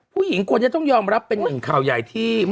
ผู้หญิงคนนี้ต้องยอมรับเป็นหนึ่งข่าวใหญ่ที่